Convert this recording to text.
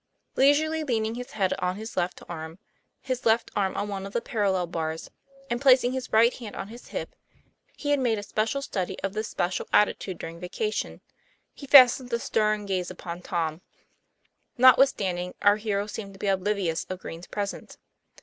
Leisurely leaning his head on his left arm, his left arm on one of the parallel bars, and placing his right hand on his hip he had made a special study of this special attitude during vacation he fastened a stern gaze upon Tom. Notwithstanding, our hero seemed to be oblivious of Green's presence.